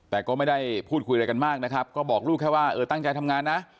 แต่ก็ไม่ได้พูดคุยอะไรกันมากนะครับก็บอกลูกแค่ว่าเออตั้งใจทำงานนะ